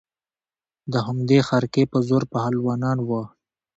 د همدې خرقې په زور پهلوانان وه